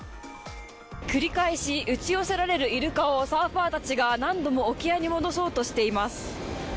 繰り返し打ち寄せられるイルカをサーファーたちが何度も沖合に戻そうとしています。